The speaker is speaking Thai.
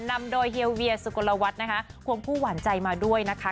นำโดยเฮียเวียสุกลวัฒน์นะคะควงคู่หวานใจมาด้วยนะคะ